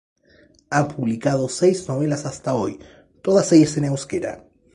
Ha publicado seis novelas hasta hoy, todas ellas en euskera.